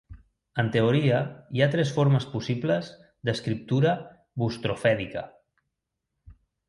En teoria, hi ha tres formes possibles d'escriptura bustrofèdica.